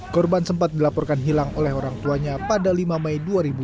korban sempat dilaporkan hilang oleh orang tuanya pada lima mei dua ribu dua puluh